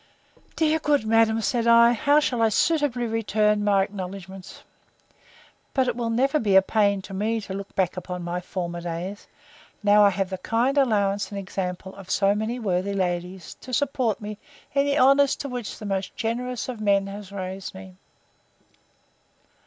Dear good madam, said I, how shall I suitably return my acknowledgments! But it will never be a pain to me to look back upon my former days, now I have the kind allowance and example of so many worthy ladies to support me in the honours to which the most generous of men has raised me.